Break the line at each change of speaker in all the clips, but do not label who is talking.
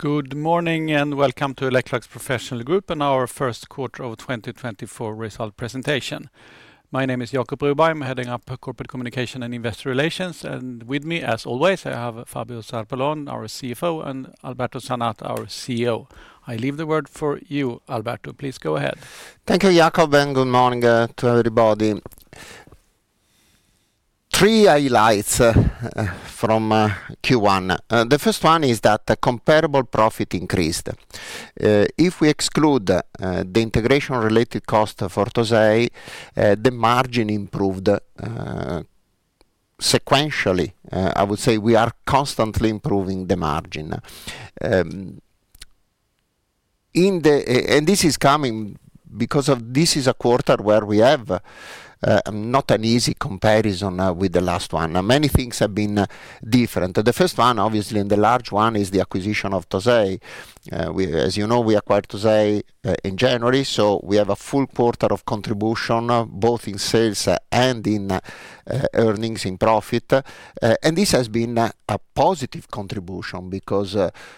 Good morning and welcome to Electrolux Professional Group and our First Quarter of 2024 Result Presentation. My name is Jacob Broberg, I'm heading up Corporate Communication and Investor Relations, and with me, as always, I have Fabio Zarpellon, our CFO, and Alberto Zanata, our CEO. I leave the word for you, Alberto. Please go ahead.
Thank you, Jacob, and good morning to everybody. Three highlights from Q1. The first one is that comparable profit increased. If we exclude the integration-related cost for Tosei, the margin improved sequentially. I would say we are constantly improving the margin. And this is coming because this is a quarter where we have not an easy comparison with the last one. Many things have been different. The first one, obviously, and the large one is the acquisition of Tosei. As you know, we acquired Tosei in January, so we have a full quarter of contribution both in sales and in earnings, in profit. And this has been a positive contribution because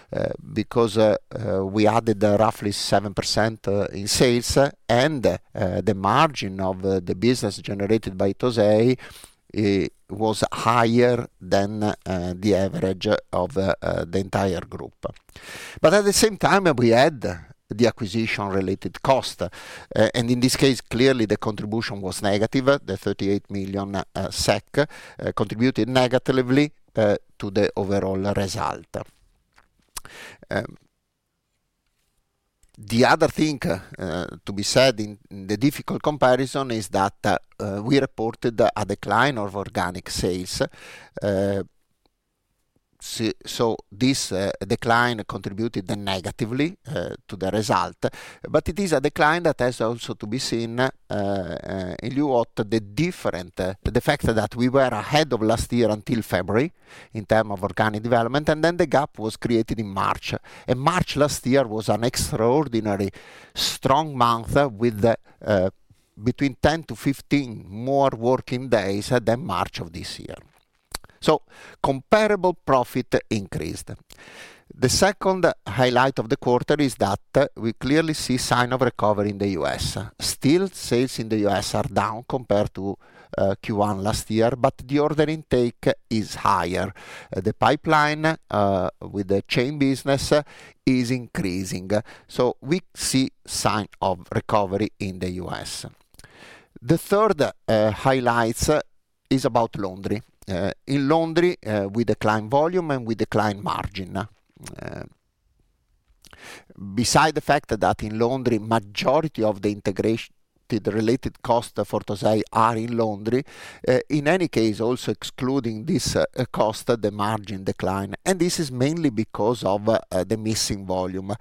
we added roughly 7% in sales, and the margin of the business generated by Tosei was higher than the average of the entire group. But at the same time, we add the acquisition-related cost. And in this case, clearly, the contribution was negative. The 38 million SEK contributed negatively to the overall result. The other thing to be said in the difficult comparison is that we reported a decline of organic sales. So this decline contributed negatively to the result, but it is a decline that has also to be seen in view of the fact that we were ahead of last year until February in terms of organic development, and then the gap was created in March. And March last year was an extraordinarily strong month with between 10-15 more working days than March of this year. So comparable profit increased. The second highlight of the quarter is that we clearly see sign of recovery in the U.S. Still, sales in the U.S. are down compared to Q1 last year, but the order intake is higher. The pipeline with the chain business is increasing, so we see sign of recovery in the U.S. The third highlight is about laundry, with decline volume and with decline margin. Besides the fact that in laundry, the majority of the integration-related costs for Tosei are in laundry, in any case, also excluding this cost, the margin decline. This is mainly because of the missing volume.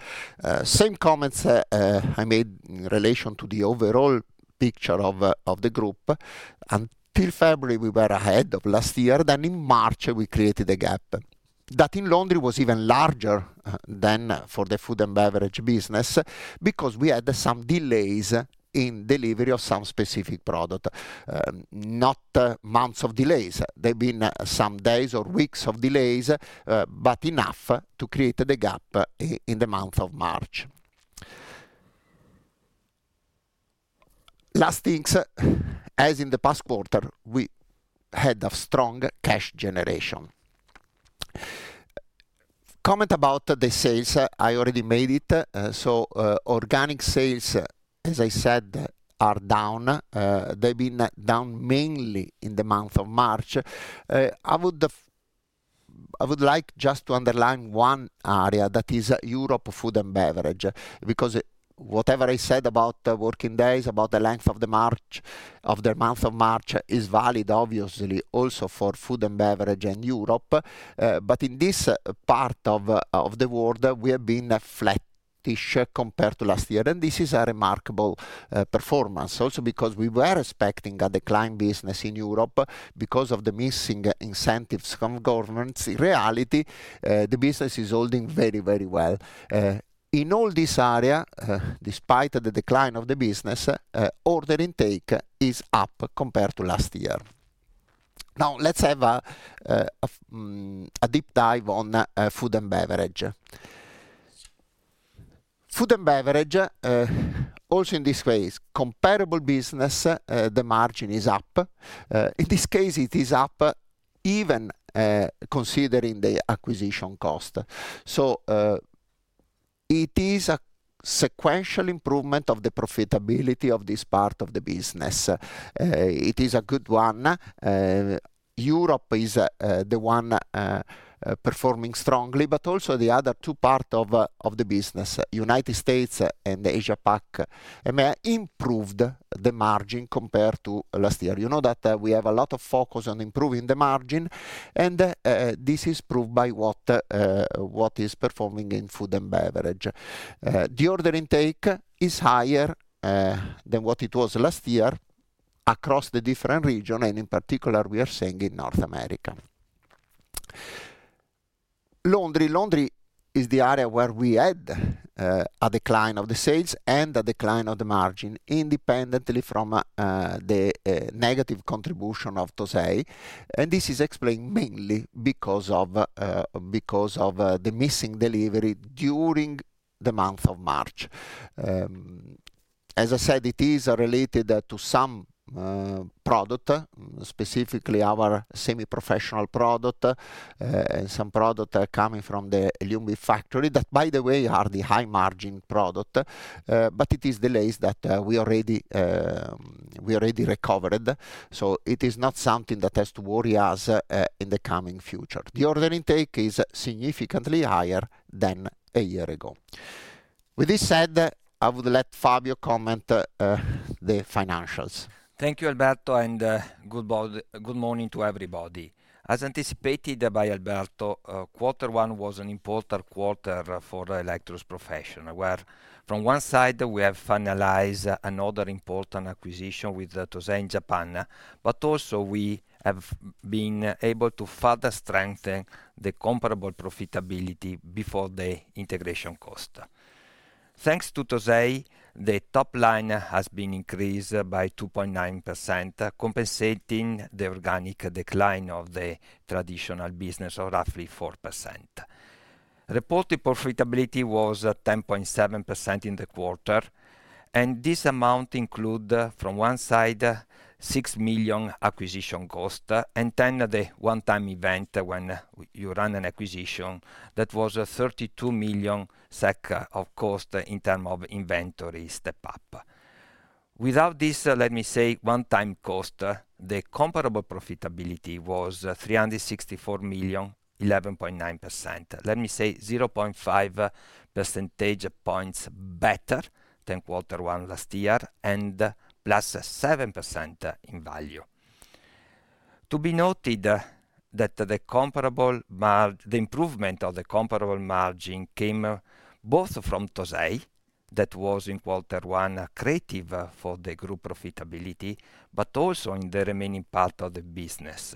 Same comments I made in relation to the overall picture of the group. Until February, we were ahead of last year. Then in March, we created a gap that in laundry was even larger than for the food and beverage business because we had some delays in delivery of some specific product. Not months of delays. There have been some days or weeks of delays, but enough to create the gap in the month of March. Last things, as in the past quarter, we had strong cash generation. Comment about the sales. I already made it. So organic sales, as I said, are down. They've been down mainly in the month of March. I would like just to underline one area, that is Europe food and beverage, because whatever I said about working days, about the length of the month of March, is valid, obviously, also for food and beverage in Europe. But in this part of the world, we have been flattish compared to last year, and this is a remarkable performance, also because we were expecting a decline business in Europe because of the missing incentives from governments. In reality, the business is holding very, very well. In all this area, despite the decline of the business, order intake is up compared to last year. Now, let's have a deep dive on food and beverage. Food and beverage, also in this case, comparable business, the margin is up. In this case, it is up even considering the acquisition cost. So it is a sequential improvement of the profitability of this part of the business. It is a good one. Europe is the one performing strongly, but also the other two parts of the business, United States and Asia-Pac, have improved the margin compared to last year. You know that we have a lot of focus on improving the margin, and this is proved by what is performing in food and beverage. The order intake is higher than what it was last year across the different regions, and in particular, we are seeing in North America. Laundry is the area where we had a decline of the sales and a decline of the margin independently from the negative contribution of Tosei. This is explained mainly because of the missing delivery during the month of March. As I said, it is related to some product, specifically our semi-professional product and some product coming from the Ljungby factory that, by the way, are the high-margin product, but it is delays that we already recovered. It is not something that has to worry us in the coming future. The order intake is significantly higher than a year ago. With this said, I would let Fabio comment the financials.
Thank you, Alberto, and good morning to everybody. As anticipated by Alberto, quarter one was an important quarter for Electrolux Professional, where from one side, we have finalized another important acquisition with Tosei in Japan, but also we have been able to further strengthen the comparable profitability before the integration cost. Thanks to Tosei, the top line has been increased by 2.9%, compensating the organic decline of the traditional business of roughly 4%. Reported profitability was 10.7% in the quarter, and this amount included, from one side, 6 million acquisition cost and then the one-time event when you run an acquisition that was 32 million SEK of cost in terms of inventory step-up. Without this, let me say, one-time cost, the comparable profitability was 364 million, 11.9%. Let me say, 0.5 percentage points better than quarter one last year and +7% in value. To be noted that the improvement of the comparable margin came both from Tosei, that was in quarter one accreative for the group profitability, but also in the remaining part of the business,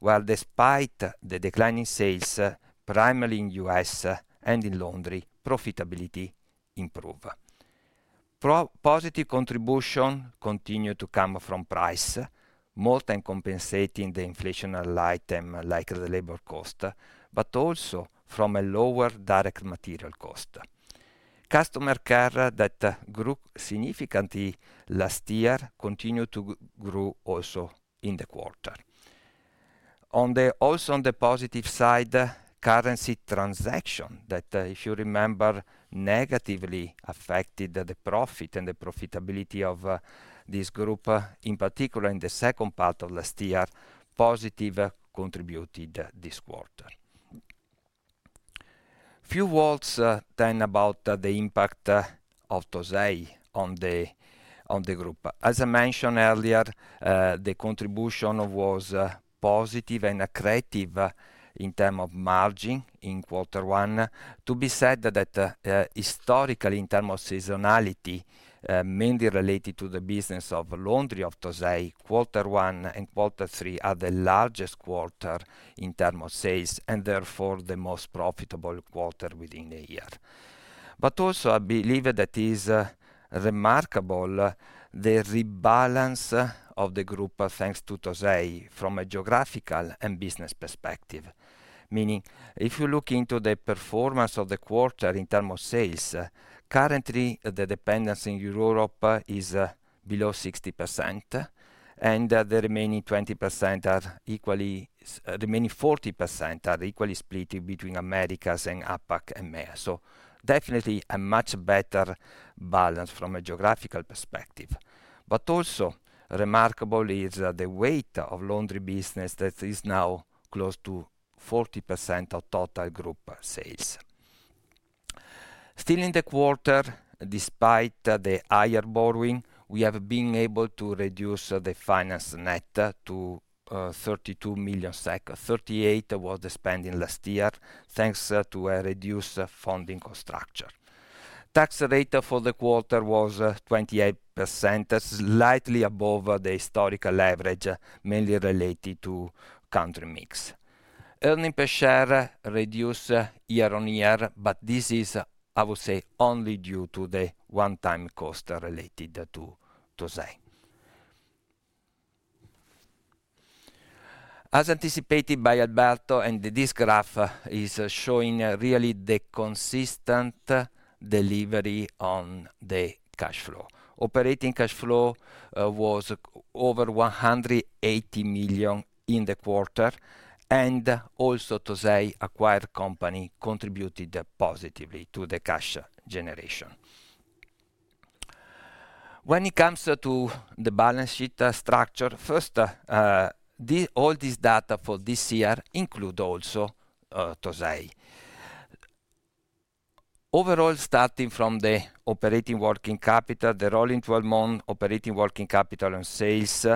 where despite the decline in sales, primarily in the U.S. and in laundry, profitability improved. Positive contribution continued to come from price, more than compensating the inflationary item like the labor cost, but also from a lower direct material cost. Customer care that grew significantly last year continued to grow also in the quarter. Also on the positive side, currency transaction that, if you remember, negatively affected the profit and the profitability of this group, in particular in the second part of last year, positively contributed this quarter. Few words then about the impact of Tosei on the group. As I mentioned earlier, the contribution was positive and creative in terms of margin in quarter one. To be said that historically, in terms of seasonality, mainly related to the business of laundry of Tosei, quarter one and quarter three are the largest quarter in terms of sales and therefore the most profitable quarter within the year. But also, I believe that it is remarkable the rebalance of the group thanks to Tosei from a geographical and business perspective, meaning if you look into the performance of the quarter in terms of sales, currently, the dependence in Europe is below 60%, and the remaining 40% are equally split between Americas and APAC and MEA. So definitely a much better balance from a geographical perspective. But also remarkable is the weight of laundry business that is now close to 40% of total group sales. Still in the quarter, despite the higher borrowing, we have been able to reduce the finance net to 32 million SEK. 38 was the spending last year thanks to a reduced funding structure. Tax rate for the quarter was 28%, slightly above the historical average, mainly related to country mix. Earnings per share reduced year-on-year, but this is, I would say, only due to the one-time cost related to Tosei. As anticipated by Alberto, and this graph is showing really the consistent delivery on the cash flow. Operating cash flow was over 180 million in the quarter, and also Tosei, acquired company, contributed positively to the cash generation. When it comes to the balance sheet structure, first, all this data for this year includes also Tosei. Overall, starting from the operating working capital, the rolling 12-month operating working capital and sales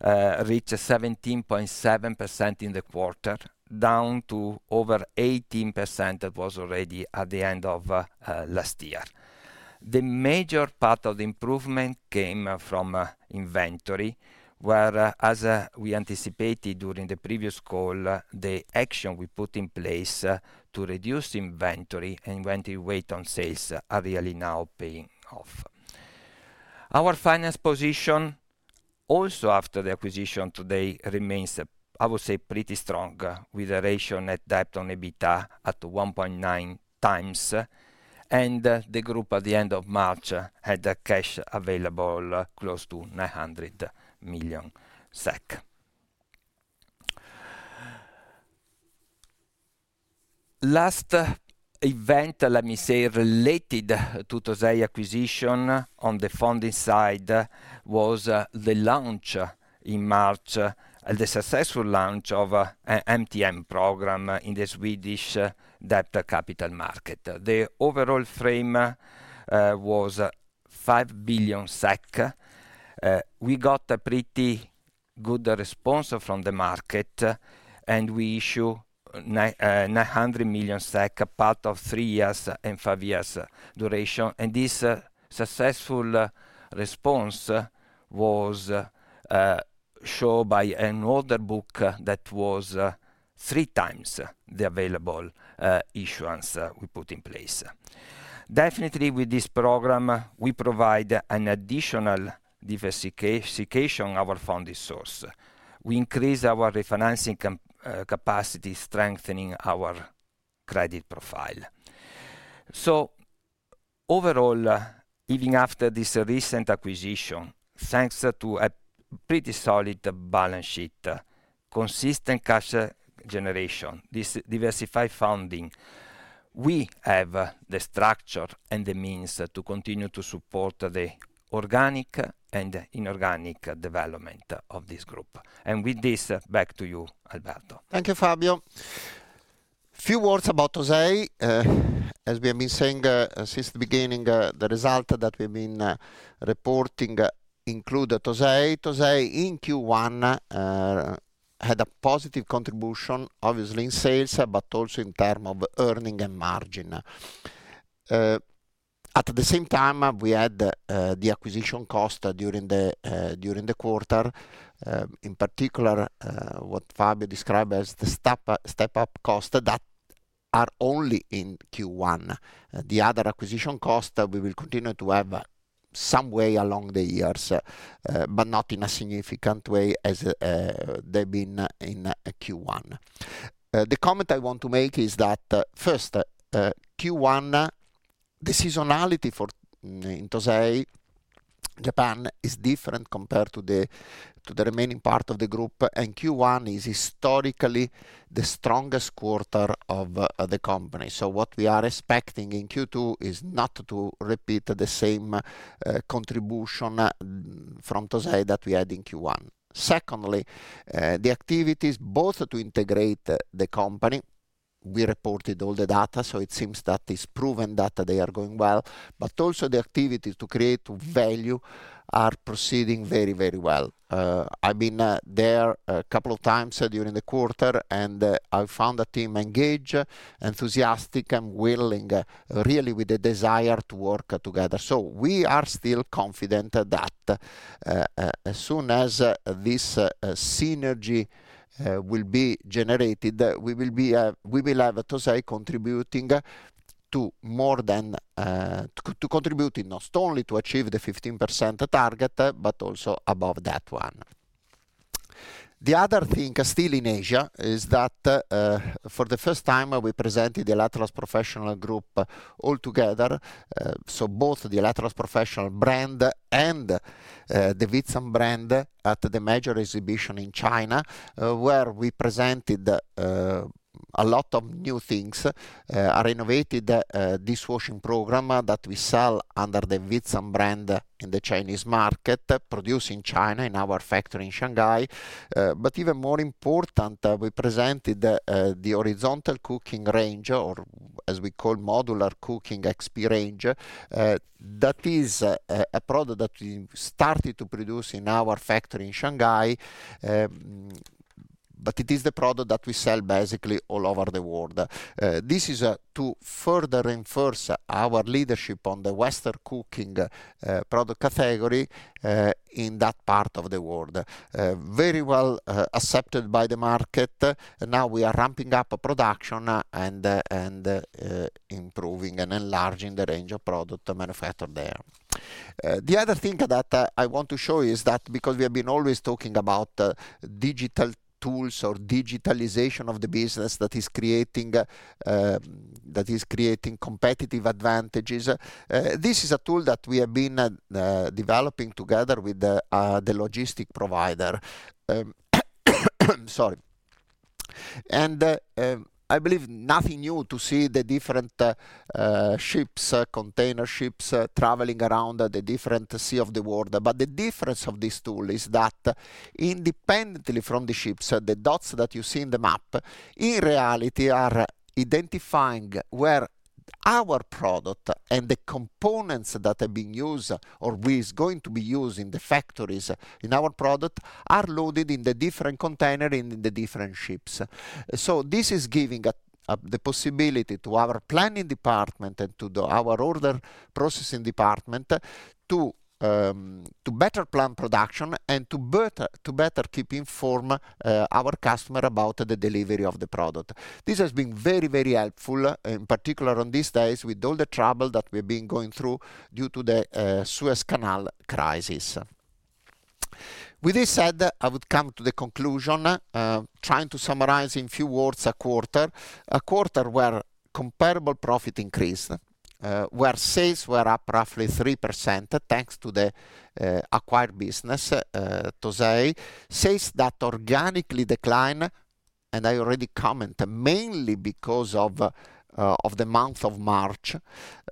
reached 17.7% in the quarter, down to over 18% that was already at the end of last year. The major part of the improvement came from inventory, where, as we anticipated during the previous call, the action we put in place to reduce inventory and inventory weight on sales are really now paying off. Our financial position, also after the acquisition today, remains, I would say, pretty strong with a ratio net debt on EBITDA at 1.9x. And the group, at the end of March, had cash available close to 900 million SEK. Last event, let me say, related to Tosei acquisition on the funding side was the launch in March, the successful launch of an MTN program in the Swedish debt capital market. The overall frame was 5 billion SEK. We got a pretty good response from the market, and we issued 900 million SEK part of three years and five years duration. This successful response was shown by an order book that was three times the available issuance we put in place. Definitely, with this program, we provide an additional diversification of our funding source. We increase our refinancing capacity, strengthening our credit profile. Overall, even after this recent acquisition, thanks to a pretty solid balance sheet, consistent cash generation, this diversified funding, we have the structure and the means to continue to support the organic and inorganic development of this group. With this, back to you, Alberto.
Thank you, Fabio. A few words about Tosei. As we have been saying since the beginning, the results that we have been reporting include Tosei. Tosei, in Q1, had a positive contribution, obviously, in sales, but also in terms of earnings and margin. At the same time, we had the acquisition cost during the quarter, in particular what Fabio described as the step-up costs that are only in Q1. The other acquisition costs, we will continue to have some way along the years, but not in a significant way as they have been in Q1. The comment I want to make is that, first, Q1, the seasonality in Tosei, Japan, is different compared to the remaining part of the group, and Q1 is historically the strongest quarter of the company. So what we are expecting in Q2 is not to repeat the same contribution from Tosei that we had in Q1. Secondly, the activities, both to integrate the company, we reported all the data, so it seems that it's proven that they are going well, but also the activities to create value are proceeding very, very well. I've been there a couple of times during the quarter, and I found the team engaged, enthusiastic, and willing, really with the desire to work together. So we are still confident that as soon as this synergy will be generated, we will have Tosei contributing to more than to contributing not only to achieve the 15% target, but also above that one. The other thing, still in Asia, is that for the first time, we presented the Electrolux Professional Group altogether, so both the Electrolux Professional brand and the Veetsan brand at the major exhibition in China, where we presented a lot of new things, a renovated dishwashing program that we sell under the Veetsan brand in the Chinese market, produced in China in our factory in Shanghai. But even more important, we presented the horizontal cooking range or, as we call, modular cooking XP range. That is a product that we started to produce in our factory in Shanghai, but it is the product that we sell basically all over the world. This is to further reinforce our leadership on the Western cooking product category in that part of the world, very well accepted by the market. Now we are ramping up production and improving and enlarging the range of product manufactured there. The other thing that I want to show is that because we have been always talking about digital tools or digitalization of the business that is creating competitive advantages, this is a tool that we have been developing together with the logistics provider. Sorry. And I believe nothing new to see the different ships, container ships traveling around the different seas of the world. But the difference of this tool is that independently from the ships, the dots that you see in the map, in reality, are identifying where our product and the components that have been used or is going to be used in the factories in our product are loaded in the different containers and in the different ships. So this is giving the possibility to our planning department and to our order processing department to better plan production and to better keep informing our customer about the delivery of the product. This has been very, very helpful, in particular on these days with all the trouble that we have been going through due to the Suez Canal crisis. With this said, I would come to the conclusion, trying to summarize in few words a quarter, a quarter where comparable profit increased, where sales were up roughly 3% thanks to the acquired business, Tosei, sales that organically declined, and I already commented, mainly because of the month of March,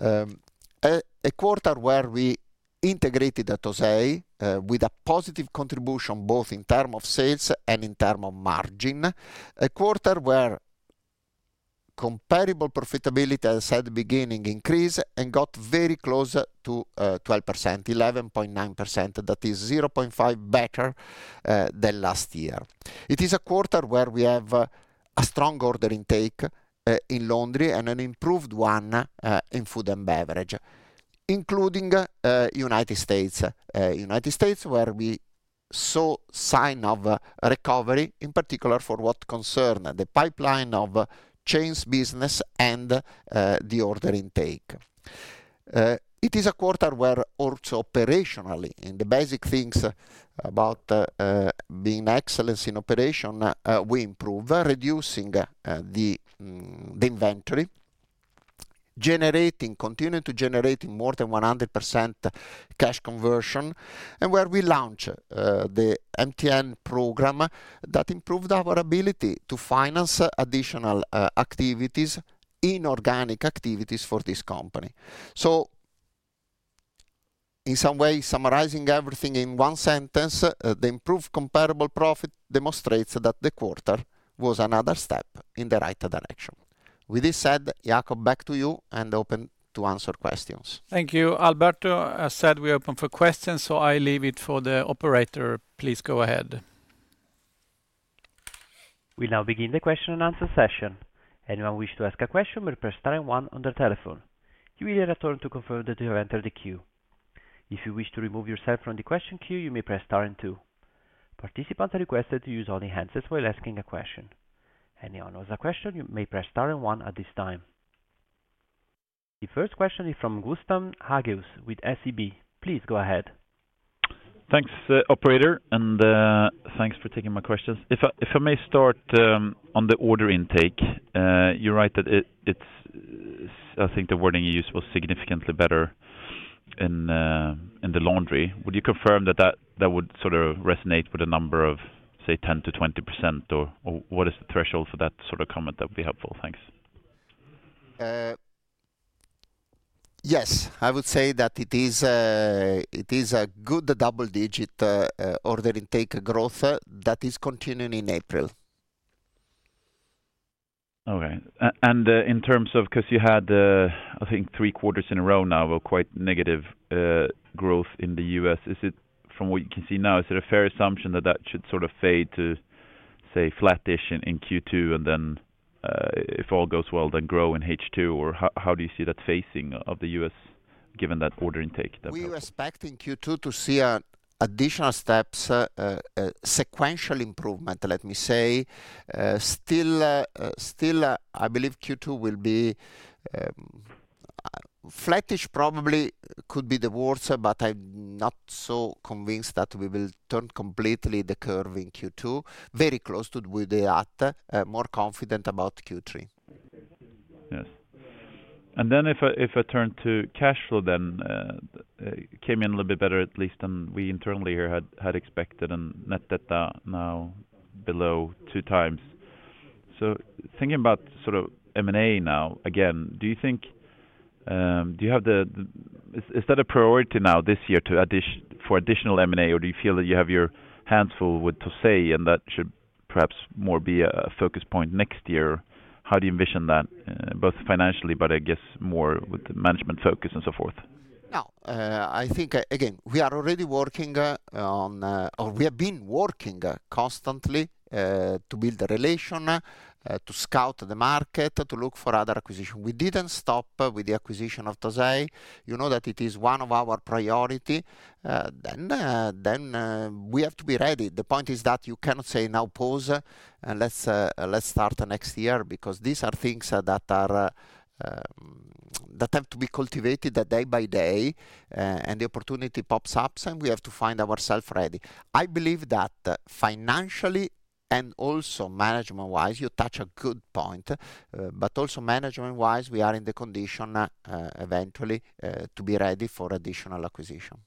a quarter where we integrated Tosei with a positive contribution both in terms of sales and in terms of margin, a quarter where comparable profitability, as I said at the beginning, increased and got very close to 12%, 11.9%. That is 0.5 better than last year. It is a quarter where we have a strong order intake in laundry and an improved one in food and beverage, including the United States, the United States where we saw signs of recovery, in particular for what concerned the pipeline of chains business and the order intake. It is a quarter where also operationally, in the basic things about being excellent in operation, we improved, reducing the inventory, continuing to generate more than 100% cash conversion, and where we launched the MTN program that improved our ability to finance additional activities, inorganic activities for this company. So in some way, summarizing everything in one sentence, the improved comparable profit demonstrates that the quarter was another step in the right direction. With this said, Jacob, back to you and open to answer questions.
Thank you. Alberto, as said, we are open for questions, so I leave it for the operator. Please go ahead.
We now begin the question and answer session. Anyone wish to ask a question, may press star and 1 on the telephone. You will return to confirm that you have entered the queue. If you wish to remove yourself from the question queue, you may press star and 2. Participants are requested to use only hands while asking a question. Anyone who has a question, you may press star and 1 at this time. The first question is from Gustav Hageus with SEB. Please go ahead.
Thanks, operator, and thanks for taking my questions. If I may start on the order intake, you write that it's, I think, the wording you used was significantly better in the laundry. Would you confirm that that would sort of resonate with a number of, say, 10%-20%, or what is the threshold for that sort of comment? That would be helpful. Thanks.
Yes. I would say that it is a good double-digit order intake growth that is continuing in April.
Okay. And in terms of because you had, I think, three quarters in a row now of quite negative growth in the U.S., is it from what you can see now, is it a fair assumption that that should sort of fade to, say, flatish in Q2 and then, if all goes well, then grow in H2, or how do you see that facing of the U.S. given that order intake?
We expect in Q2 to see additional steps, sequential improvement, let me say. Still, I believe Q2 will be flatish, probably could be the worst, but I'm not so convinced that we will turn completely the curve in Q2, very close to where we are at, more confident about Q3.
Yes. Then, if I turn to cash flow, then it came in a little bit better, at least than we internally here had expected, and net debt now below two times. So, thinking about sort of M&A now, again, is that a priority now this year for additional M&A, or do you feel that you have your hands full with Tosei and that should perhaps more be a focus point next year? How do you envision that, both financially, but I guess more with management focus and so forth?
No. I think, again, we are already working on or we have been working constantly to build the relation, to scout the market, to look for other acquisitions. We didn't stop with the acquisition of Tosei. You know that it is one of our priorities. Then we have to be ready. The point is that you cannot say, "Now pause and let's start next year," because these are things that have to be cultivated day by day, and the opportunity pops up, and we have to find ourselves ready. I believe that financially and also management-wise, you touch a good point, but also management-wise, we are in the condition eventually to be ready for additional acquisition.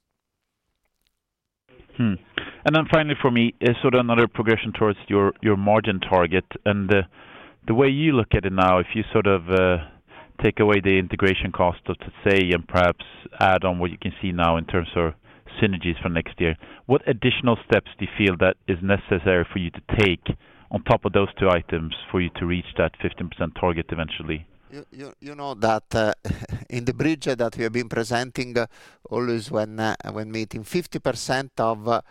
Then finally for me, sort of another progression towards your margin target. The way you look at it now, if you sort of take away the integration cost of Tosei and perhaps add on what you can see now in terms of synergies for next year, what additional steps do you feel that is necessary for you to take on top of those two items for you to reach that 15% target eventually?
You know that in the bridge that we have been presenting, always when meeting, 50%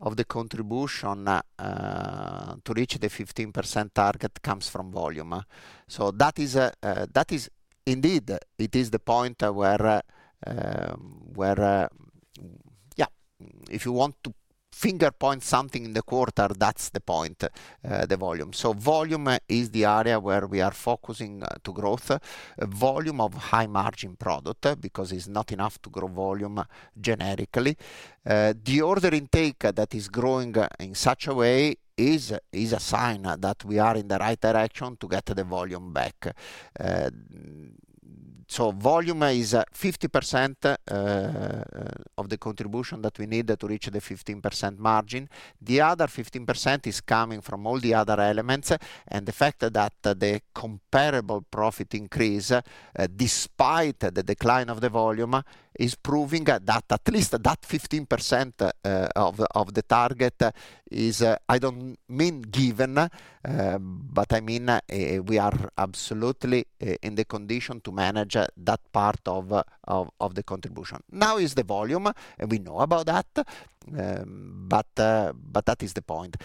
of the contribution to reach the 15% target comes from volume. So that is indeed, it is the point where, yeah, if you want to finger-point something in the quarter, that's the point, the volume. So volume is the area where we are focusing to growth, volume of high-margin product because it's not enough to grow volume generically. The order intake that is growing in such a way is a sign that we are in the right direction to get the volume back. So volume is 50% of the contribution that we need to reach the 15% margin. The other 15% is coming from all the other elements, and the fact that the comparable profit increase despite the decline of the volume is proving that at least that 15% of the target is I don't mean given, but I mean we are absolutely in the condition to manage that part of the contribution. Now is the volume, and we know about that, but that is the point.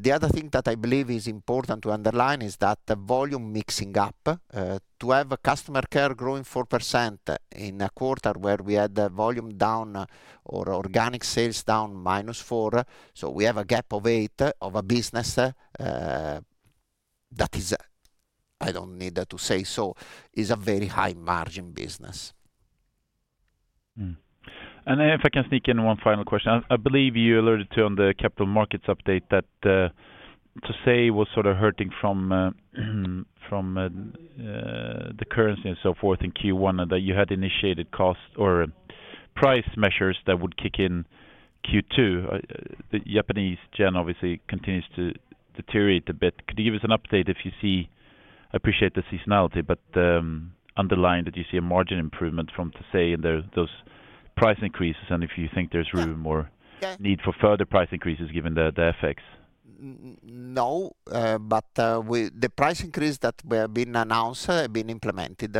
The other thing that I believe is important to underline is that volume mixing up, to have customer care growing 4% in a quarter where we had volume down or organic sales down -4, so we have a gap of 8 of a business that is, I don't need to say so, is a very high-margin business.
If I can sneak in one final question, I believe you alluded to on the capital markets update that Tosei was sort of hurting from the currency and so forth in Q1 and that you had initiated cost or price measures that would kick in Q2. The Japanese yen obviously continues to deteriorate a bit. Could you give us an update if you see I appreciate the seasonality, but underline that you see a margin improvement from Tosei in those price increases and if you think there's room or need for further price increases given the effects?
No, but the price increase that we have announced has been implemented.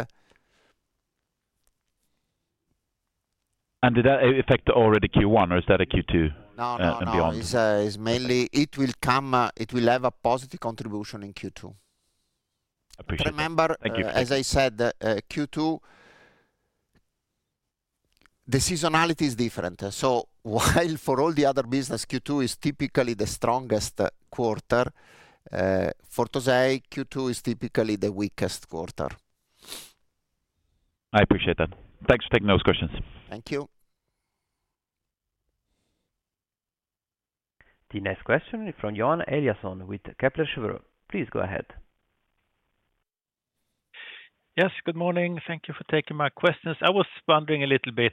Did that affect already Q1, or is that a Q2 and beyond?
No, no, no. It will have a positive contribution in Q2.
Appreciate it. Thank you.
Remember, as I said, Q2, the seasonality is different. So while for all the other business, Q2 is typically the strongest quarter, for Tosei, Q2 is typically the weakest quarter.
I appreciate that. Thanks for taking those questions.
Thank you.
The next question is from Johan Eliasson with Kepler Cheuvreux. Please go ahead.
Yes. Good morning. Thank you for taking my questions. I was wondering a little bit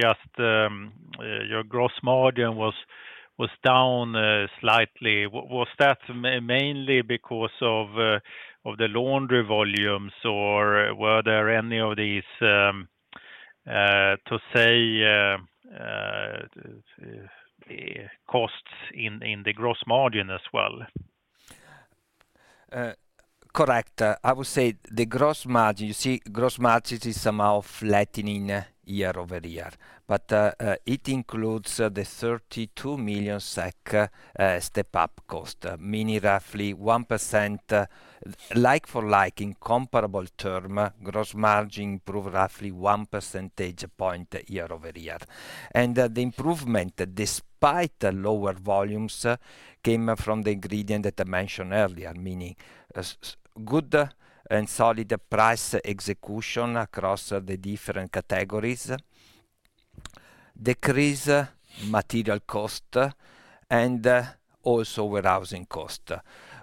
just your gross margin was down slightly. Was that mainly because of the laundry volumes, or were there any of these Tosei costs in the gross margin as well?
Correct. I would say the gross margin you see, gross margin is somehow flattening year-over-year, but it includes the 32 million SEK step-up cost, meaning roughly 1% like for like in comparable term, gross margin improved roughly one percentage point year-over-year. And the improvement, despite lower volumes, came from the ingredient that I mentioned earlier, meaning good and solid price execution across the different categories, decreased material cost, and also warehousing cost.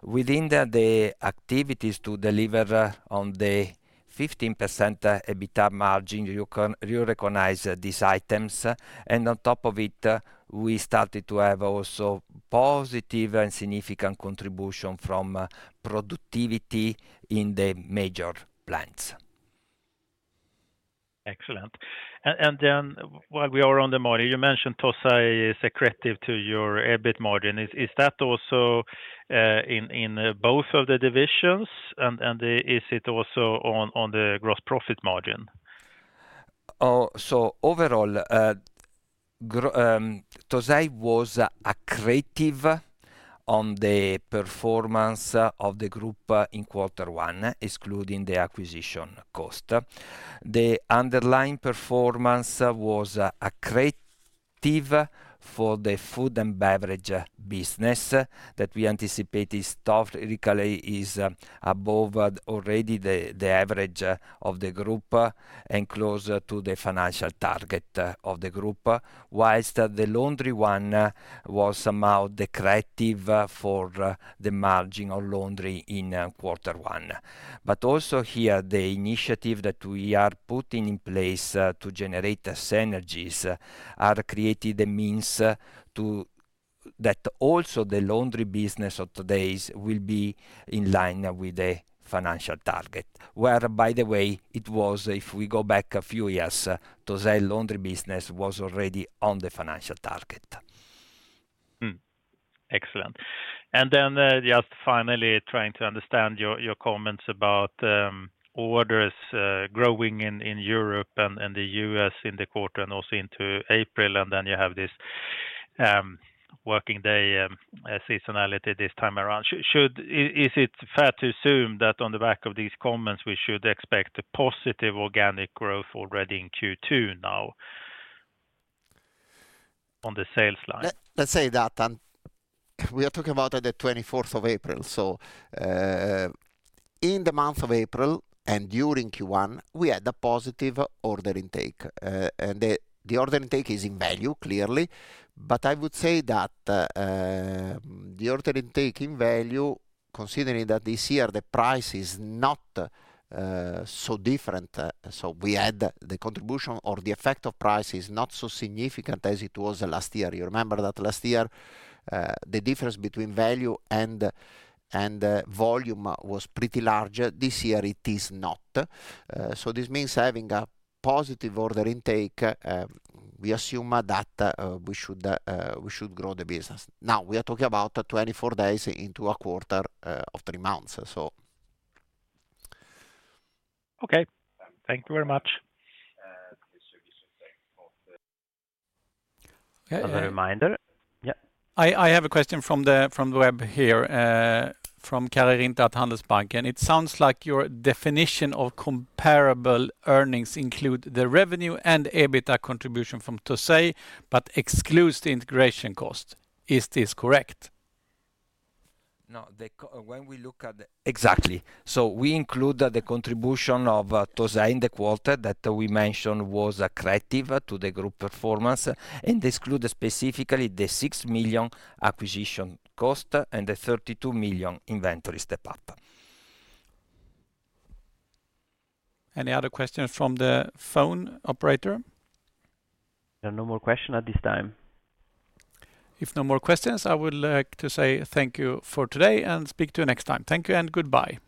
Within the activities to deliver on the 15% EBITDA margin, you recognize these items. And on top of it, we started to have also positive and significant contribution from productivity in the major plants.
Excellent. And then while we are on the margin, you mentioned Tosei is accretive to your EBIT margin. Is that also in both of the divisions, and is it also on the gross profit margin?
So overall, Tosei was accretive on the performance of the group in quarter one, excluding the acquisition cost. The underlying performance was accretive for the food and beverage business that we anticipated. Tosei is above already the average of the group and close to the financial target of the group, whilst the laundry one was somehow dilutive for the margin on laundry in quarter one. But also here, the initiative that we are putting in place to generate synergies has created the means that also the laundry business of today will be in line with the financial target. Where, by the way, it was if we go back a few years, Tosei laundry business was already on the financial target.
Excellent. And then just finally trying to understand your comments about orders growing in Europe and the U.S. in the quarter and also into April, and then you have this working day seasonality this time around. Is it fair to assume that on the back of these comments, we should expect positive organic growth already in Q2 now on the sales line?
Let's say that. We are talking about the 24th of April. In the month of April and during Q1, we had a positive order intake. The order intake is in value, clearly. But I would say that the order intake in value, considering that this year the price is not so different, so we had the contribution or the effect of price is not so significant as it was last year. You remember that last year the difference between value and volume was pretty large. This year, it is not. This means having a positive order intake, we assume that we should grow the business. Now, we are talking about 24 days into a quarter of three months, so.
Okay. Thank you very much.
As a reminder, yeah.
I have a question from the web here from Karri Rinta at Handelsbanken. It sounds like your definition of comparable earnings includes the revenue and EBITDA contribution from Tosei but excludes the integration cost. Is this correct?
No. When we look at exactly. So we include the contribution of Tosei in the quarter that we mentioned was accretive to the group performance, and they exclude specifically the 6 million acquisition cost and the 32 million inventory step-up.
Any other questions from the phone operator?
There are no more questions at this time.
If no more questions, I would like to say thank you for today and speak to you next time. Thank you and goodbye.